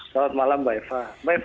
selamat malam mbak eva